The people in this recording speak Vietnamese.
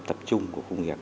tập trung của khu công nghiệp